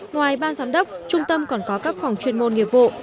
ngoài ban giám đốc trung tâm còn có các phòng chuyên môn nghiệp vụ